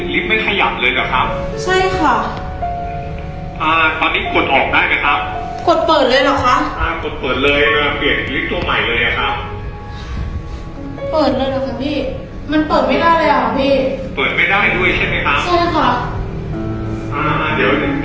ลิฟท์ลิฟท์ลิฟท์ลิฟท์ลิฟท์ขึ้นมาเลย